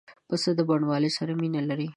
پسه د بڼوالو سره مینه لري.